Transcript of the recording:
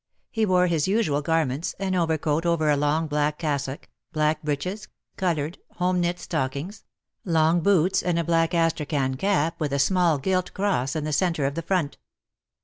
He wore his usual garments, an overcoat over a long black cassock, black breeches, coloured, home knit stockings, long boots and a black astrachan cap with a small gilt cross in the centre of the front.